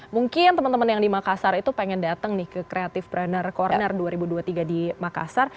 mungkin teman teman yang di makassar itu pengen dateng nih ke creative planner corner dua ribu dua puluh tiga di makassar